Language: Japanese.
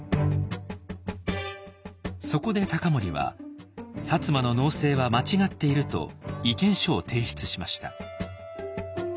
そこで隆盛は「摩の農政は間違っている」と意見書を提出しました。